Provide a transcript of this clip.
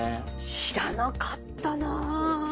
知らなかったな。